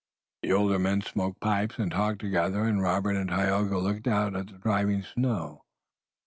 The older men smoked pipes and talked together and Robert and Tayoga looked out at the driving snow.